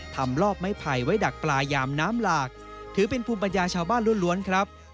ลอบไม้ไผ่ไว้ดักปลายามน้ำหลากถือเป็นภูมิปัญญาชาวบ้านล้วนครับ